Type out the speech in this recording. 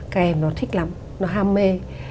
các em nó thích lắm nó ham mê